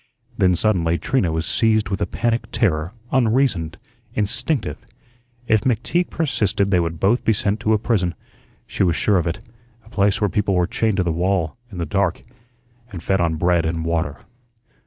Then suddenly Trina was seized with a panic terror, unreasoned, instinctive. If McTeague persisted they would both be sent to a prison, she was sure of it; a place where people were chained to the wall, in the dark, and fed on bread and water.